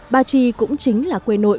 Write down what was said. ba chi cũng chính là quê nội